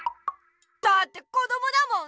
だってこどもだもん！